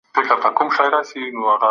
جنګياليو ته به د زړورتيا درس ورکول کيده.